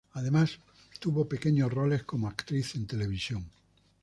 Además, tuvo pequeños roles como actriz en televisión.